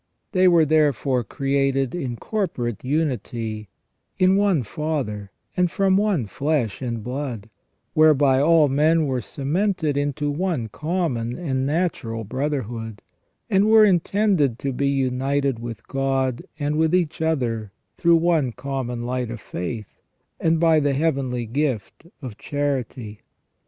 They were therefore created in corporate unity, in one father and from one flesh and blood, whereby all men were cemented into one common and natural brotherhood; and were intended to be united with God and with each other through one common light of faith, and by the heavenly gift of charity.